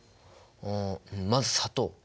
あまず砂糖。